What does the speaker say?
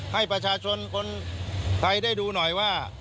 ให้ประชาชนคนไทยได้ดูหน่อยว่า